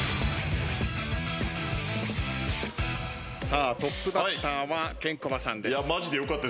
さあトップバッターはケンコバさんです。